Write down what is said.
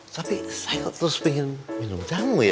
tapi saya terus pengen minum jamu ya